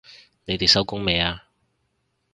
你哋收工未啊？